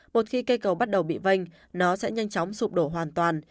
một khi cây cầu bắt đầu bị vanh nó sẽ nhanh chóng sụp đổ hoàn toàn